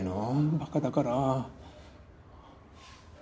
バカだから。